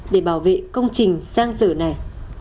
để bảo vệ công trình sang sử này